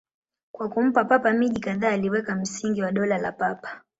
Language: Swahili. Kwa kumpa Papa miji kadhaa, aliweka msingi wa Dola la Papa.